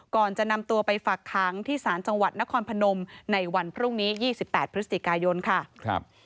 ก่อนจะนำตัวไปฝากค้างที่ศาลจังหวัดนครพนมในวันพรุ่งนี้๒๘พฤศจิกายนค่ะ